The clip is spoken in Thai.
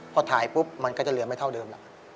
พอถ่ายปุ๊บมันก็จะเหลือไม่เท่าเดิมล่ะ